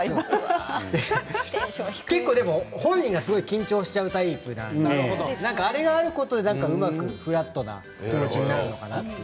でも、本人が結構緊張しちゃうタイプなのであれがあることで、フラットな気持ちになるのかなって。